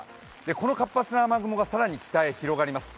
この活発な雨雲が更に北へ広がります。